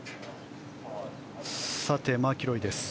さて、マキロイです。